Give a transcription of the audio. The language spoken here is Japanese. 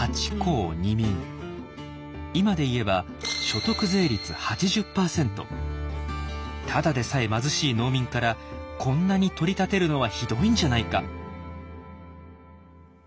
今で言えばただでさえ貧しい農民からこんなに取り立てるのはひどいんじゃないか。